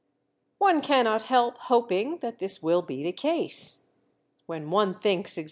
One cannot help hoping that this will be the case. When one thinks, e.g.